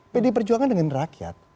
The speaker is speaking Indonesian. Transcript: pdi perjuangan dengan rakyat